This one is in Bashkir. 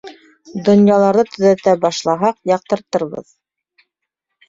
Донъяларҙы төҙәтә башлаһаҡ, яҡтыртырбыҙ.